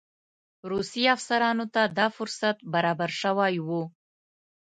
روسي افسرانو ته دا فرصت برابر شوی وو.